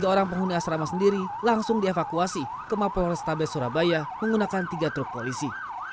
tiga orang penghuni asrama sendiri langsung dievakuasi ke mapol restabes surabaya menggunakan tiga truk polisi